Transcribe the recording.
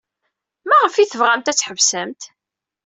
Maɣef ay tebɣamt ad tḥebsemt?